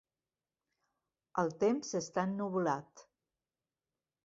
El temps està ennuvolat.